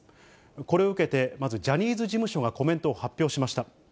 これを受けて、まずジャニーズ事務所がコメントを発表しました。